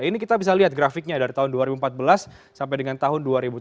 ini kita bisa lihat grafiknya dari tahun dua ribu empat belas sampai dengan tahun dua ribu tujuh belas